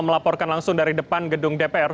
melaporkan langsung dari depan gedung dpr